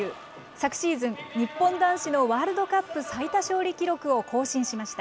昨シーズン、日本男子のワールドカップ最多勝利記録を更新しました。